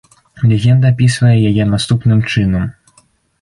Легенда апісвае яе наступным чынам.